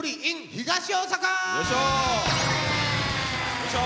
よいしょ。